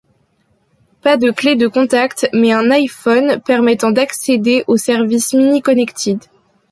Pas de clé de contact mais un iPhone permettant d'accéder au service Mini Connected.